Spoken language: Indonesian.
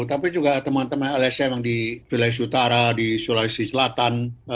tapi juga teman teman lsm yang di sulawesi utara di sulawesi selatan